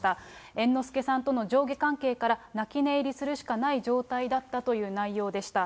猿之助さんとの上下関係から、泣き寝入りするしかない状態だったという内容でした。